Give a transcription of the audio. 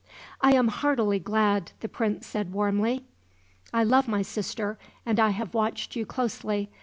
"I am heartily glad," the prince said warmly. "I love my sister, and I have watched you closely.